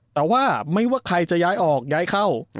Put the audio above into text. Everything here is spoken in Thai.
แต่ว่าไม่ว่าใครจะย้ายออกย้ายเข้า